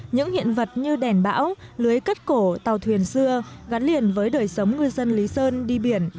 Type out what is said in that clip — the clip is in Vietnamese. những hiện vật như đèn bão lưới cắt cổ tàu thuyền xưa gắn liền với đời sống ngư dân lý sơn đi biển